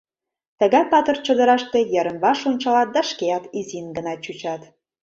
Тыгай патыр чодыраште йырым-ваш ончалат да шкеат изин гына чучат.